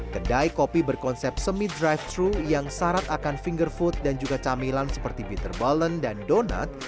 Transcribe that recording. kedai kopi berkonsep semi drive thru yang syarat akan finger food dan juga camilan seperti peter balance dan donat